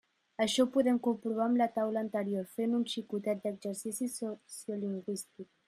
Això ho podem comprovar amb la taula anterior, fent un xicotet exercici sociolingüístic.